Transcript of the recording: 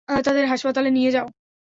তাদের হাসপাতালে নিয়ে যাও!